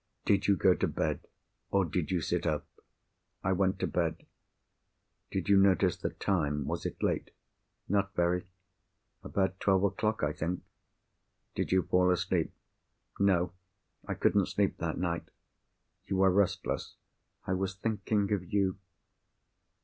Did you go to bed? or did you sit up?" "I went to bed." "Did you notice the time? Was it late?" "Not very. About twelve o'clock, I think." "Did you fall asleep?" "No. I couldn't sleep that night." "You were restless?" "I was thinking of you."